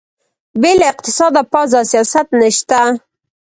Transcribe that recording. بې له اقتصاده پوځ او سیاست نشته.